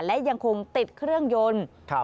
และยังคงติดเครื่องยนต์